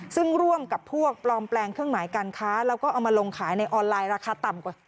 ซึ่งร่วมกับพวกปลอมแปลงเครื่องหมายการค้าแล้วก็เอามาลงขายในออนไลน์ราคาต่ำกว่า